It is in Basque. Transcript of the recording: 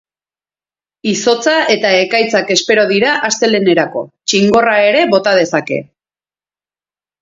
Izotza eta ekaitzak espero dira astelehenerako, txingorra ere bota dezake.